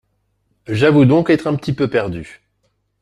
J’avoue donc être un petit peu perdu.